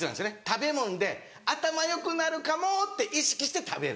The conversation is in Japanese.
食べ物で頭良くなるかもって意識して食べる。